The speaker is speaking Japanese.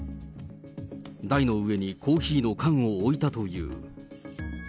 台の上にコーヒーの缶を置いたという。